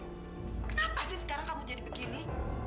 kenapa sih sekarang kamu jadi begini